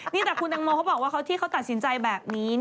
นี่แต่คุณตังโมเขาบอกว่าที่เขาตัดสินใจแบบนี้